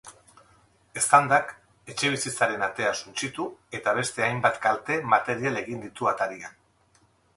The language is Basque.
Eztandak etxebizitzaren atea suntsitu, eta beste hainbat kalte material egin ditu atarian.